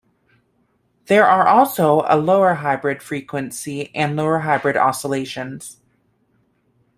There are also a lower hybrid frequency and lower hybrid oscillations.